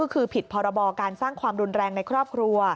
คือผิดพรบการสร้างความรุนแรงในครอบครัว